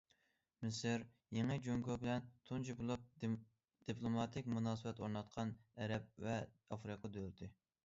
مىسىر يېڭى جۇڭگو بىلەن تۇنجى بولۇپ دىپلوماتىك مۇناسىۋەت ئورناتقان ئەرەب ۋە ئافرىقا دۆلىتى.